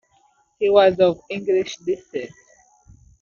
He was of English descent.